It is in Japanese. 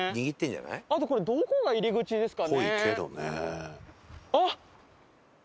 あとこれどこが入り口ですかね？